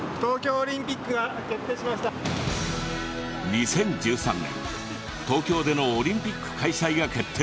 ２０１３年東京でのオリンピック開催が決定。